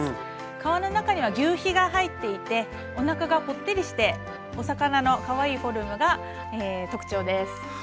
皮の中にはぎゅうひが入っていておなかがぽってりしてお魚のかわいいフォルムが特徴です。